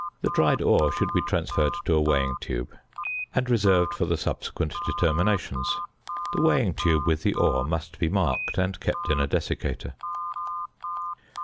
The dried ore should be transferred to a weighing tube (fig. 3), and reserved for the subsequent determinations. The weighing tube with the ore must be marked, and kept in a desiccator.